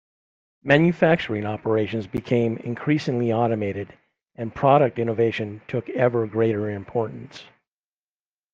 Manufacturing operations became increasingly automated and product innovation took ever greater importance.